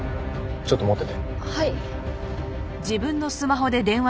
ちょっと持ってて。